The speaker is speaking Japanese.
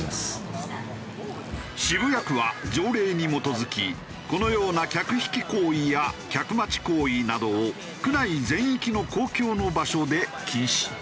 渋谷区は条例に基づきこのような客引き行為や客待ち行為などを区内全域の公共の場所で禁止。